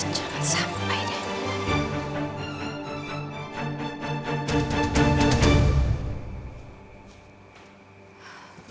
jangan sampai deh